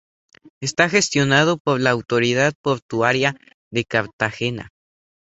Está gestionado por la autoridad portuaria de Cartagena.